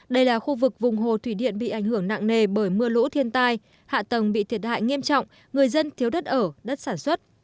đây là khu vực vùng hồ thủy điện bị ảnh hưởng nặng nề bởi mưa lũ thiên tai hạ tầng bị thiệt hại nghiêm trọng người dân thiếu đất ở đất sản xuất